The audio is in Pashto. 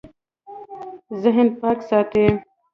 ذهن پاک ساتئ